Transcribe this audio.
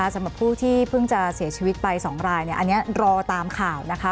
สำหรับผู้ที่เพิ่งจะเสียชีวิตไป๒รายอันนี้รอตามข่าวนะคะ